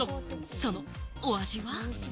そのお味は。